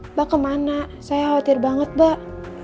mbak kemana saya khawatir banget mbak